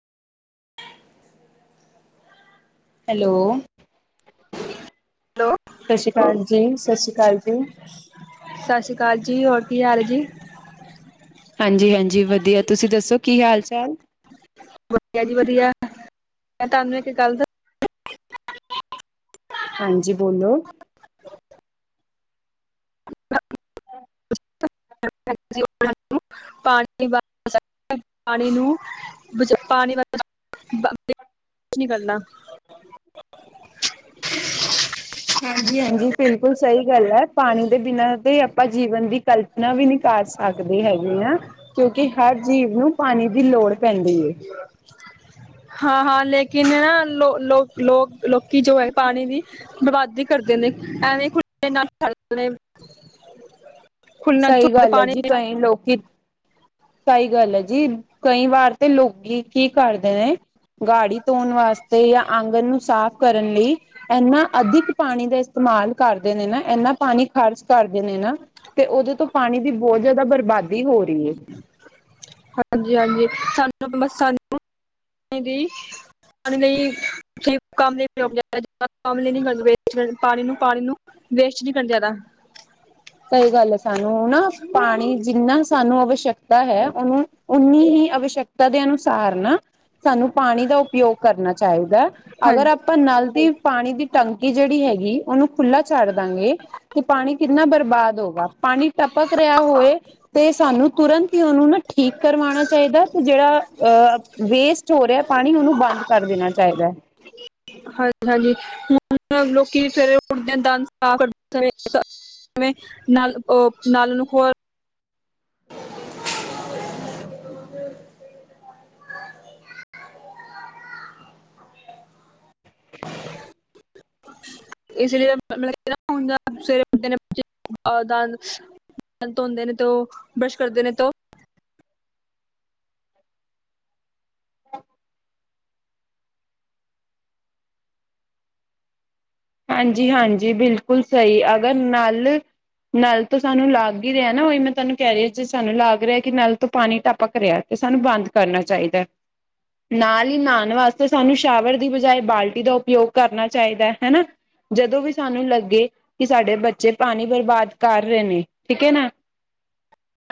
Hello hello. ਸਤਿ ਸ਼੍ਰੀ ਅਕਾਲ ਜੀ ਸਤਿ ਸ਼੍ਰੀ ਅਕਾਲ ਜੀ। ਸਤਿ ਸ਼੍ਰੀ ਅਕਾਲ ਜੀ ਹੋਰ ਕੀ ਹਾਲ ਜੀ ਹਾਂਜੀ ਹਾਂਜੀ ਵਧੀਆ ਤੁਸੀਂ ਦੱਸੋ ਕੀ ਹਾਲ ਚਾਲ? ਵਧੀਆ ਜੀ ਵਧੀਆ ਮੈਂ ਤੁਹਾਨੂੰ ਇਕ ਗੱਲ ਦੱਸਾ ਹਾਂਜੀ, ਬੋਲੋ। [inaudible] ਬਾਲਟੀ ਵ ਪਾਣੀ ਨੂੰ ਵਿਚ ਪਾਣੀ ਵਾ। ਬਾਪ ਨੇ ਕੁਛ ਨੀ ਕਰਨਾ। ਹਾਂਜੀ, ਹਾਂਜੀ ਬਿਲਕੁਲ ਸਹੀ ਗੱਲ ਹੈ, ਪਾਣੀ ਦੇ ਬਿਨਾਂ, ਤੇ ਆਪਾਂ ਜੀਵਨ ਦੀ ਕਲਪਨਾ ਵੀ ਨਹੀਂ ਕਰ ਸਕਦੇ। ਆਗਦੇ ਹੈਗੀ ਆ, ਕਿਉਂਕਿ ਹਰ ਜੀਵ ਨੂੰ ਪਾਣੀ ਦੀ ਲੋੜ ਪੈਂਦੀ ਏ। [unintelligible] ਹਾਂ, ਹਾਂ ਲੇਕਿਨ ਨ ਲੋ ਲੋਕ, ਲੋਕ, ਲੋਕੀ ਜੋ ਹੈ ਪਾਣੀ ਦੀ ਬਰਬਾਦੀ ਕਰਦੇ ਨੇ, ਐਵੇਂ ਕੁੜੀ [unintelligible] ਖੁੱਲਨਾ ਤੋਂ ਸਹੀ ਗੱਲ ਹੈ, ਜੀ ਕਈ ਲੋਕੀ। ਸਹੀ ਗੱਲ ਹੈ ਜੀ, ਕਈ ਵਾਰ ਤੇ ਲੋਕੀ ਕੀ ਕਰਦੇ ਨੇ ਗਾੜੀ ਧੋਣ ਵਾਸਤੇ ਜਾ ਆਂਗਣ ਨੂੰ ਸਾਫ ਕਰਨ ਲਈ ਇਨਾ ਅਧਿਕ ਪਾਣੀ ਦਾ ਇਸਤੇਮਾਲ ਕਰਦੇ ਨੇ ਨਾ, ਇੰਨਾ ਪਾਣੀ ਖ਼ਰਚ ਕਰਦੇ ਨੇ ਨਾ ਤੇ ਉਹਦੇ ਤੋਂ ਪਾਣੀ ਦੀ ਬਹੁਤ ਜ਼ਿਆਦਾ ਬਰਬਾਦੀ ਹੋ ਰਹੀ ਹੈ। ਹਾਂਜੀ, ਹਾਂਜੀ ਸਾਨੂੰ ਬ ਸਾਨੂੰ ਜੀ। ਹਾਂਜੀ। [inaudible] ਨ ਕਰ ਪਾਣੀ ਨੂੰ ਪਾਣੀ ਨੂੰ ਵੇਸਟ ਨੀ ਕਰਨ ਜ਼ਿਆਦਾ। ਸਹੀ ਗੱਲ ਹੈ, ਸਾਨੂੰ ਨਾ ਪਾਣੀ, ਜਿੰਨਾ ਸਾਨੂੰ ਅਵਸ਼ਕਤਾ ਹੈ, ਉਹਨੂੰ ਓਨੀ ਹੀ ਆਵਸ਼ਕਤਾ ਦੇ ਅਨੁਸਾਰ ਨਾ ਸਾਨੂੰ ਪਾਣੀ ਦਾ ਉਪਯੋਗ ਕਰਨਾ ਚਾਹੀਦਾ ਅਗਰ। ਹਾਂਜੀ ਆਪਾਂ ਨਲ ਦੀ ਪਾਣੀ ਦੀ ਟੰਕੀ ਜਿਹੜੀ ਹੈਗੀ, ਉਹਨੂੰ ਖੁੱਲਾ ਛੱਡ ਦਾਂਗੇ, ਤੇ ਪਾਣੀ ਕਿੰਨਾ ਬਰ ਬਾਦ ਹੋਗਾ, ਪਾਣੀ ਟਪਕ ਰਿਹਾ ਹੋਵੇ ਤੇ ਸਾਨੂੰ ਤੁਰੰਤ ਹੀ ਉਹਨੂੰ ਨਾ ਠੀਕ ਕਰਵਾਉਣਾ ਚਾਹੀਦਾ ਤੇ ਜਿਹੜਾ ਅਹ ਵੇਸਟ ਹੋ ਰਿਹਾ ਪਾਣੀ, ਉਹਨੂੰ ਬੰਦ ਕਰ ਦੇਣਾ ਚਾਹੀਦਾ ਹੈ। ਹਾਂਜੀ, ਹਾਂਜੀ ਹੁਣ ਲੋਕੀ ਸਵੇਰੇ ਉੱਠਦੇ ਦਾਂ ਆ, ਕਰਤੂਤਾ ਨੇ ਸਬ ਨਾਲ, ਨਾਲ ਉਹਨੂੰ ਹੋਰ ਇਸ ਲਈ ਮਤਲਬ, ਕਿ ਹੁੰਦਾ ਸਵੇਰੇ ਬੰ ਨੇ ਦਦ ਧੋਂਦੇ ਨੇ ਤੇ, ਉਹ ਬਰੱਸ਼ ਕਰਦੇ, ਨੇ ਤਾਂ ਉਹ ਹਾਂਜੀ, ਹਾਂਜੀ ਬਿਲਕੁਲ ਸਹੀ ਅਗਰ ਨਲ ਨਲ ਤੋਂ ਸਾਨੂੰ ਲੱਗ ਹੀ ਰਿਹਾ ਨਾ, ਉਹੀ ਮੈਂ ਤੁਹਾਨੂੰ ਕਹਿ ਰਹੀ, ਜੇ ਸਾਨੂੰ ਲੱਗ ਰਿਹਾ ਕਿ ਨਲ ਤੋਂ ਪਾਣੀ ਤਾਂ ਪਕ ਰਿਹਾ। ਤੇ ਸਾਨੂੰ ਬੰਦ ਕਰਨਾ ਚਾਹੀਦਾ। ਨਾਲ ਹੀ ਨਹਾਉਣ ਵਾਸਤੇ, ਸਾਨੂੰ ਸ਼ਾਵਰ ਦੀ ਬਜਾਏ ਬਾਲਟੀ ਦਾ ਉਪਯੋਗ ਕਰਨਾ ਚਾਹੀਦਾ ਹੈ ਹਨਾ। ਜਦੋਂ ਵੀ ਸਾਨੂੰ ਲੱਗੇ ਕਿ ਸਾਡੇ ਬੱਚੇ ਪਾਣੀ ਬਰਬਾਦ ਕਰ ਰਹੇ ਨੇ, ਠੀਕ ਹੈ ਨਾ।